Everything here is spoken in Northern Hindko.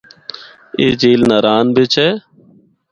اے جھیل ناران بچ اے۔